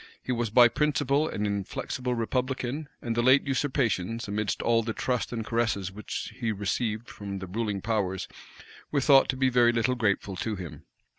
He was by principle an inflexible republican; and the late usurpations, amidst all the trust and caresses which he received from the ruling powers, were thought to be very little grateful to him.